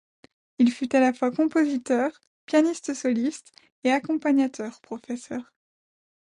Il fut à la fois compositeur, pianiste soliste et accompagnateur, professeur.